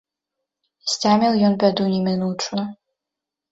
Сцяміў ён бяду немінучую.